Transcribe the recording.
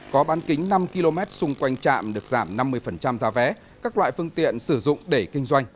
có bán kính năm km xung quanh trạm được giảm năm mươi giá vé các loại phương tiện sử dụng để kinh doanh